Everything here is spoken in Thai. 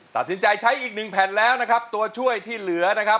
ตัดสินใจใช้อีกหนึ่งแผ่นแล้วนะครับตัวช่วยที่เหลือนะครับ